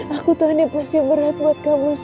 aku tuh ini pasti berat buat kamu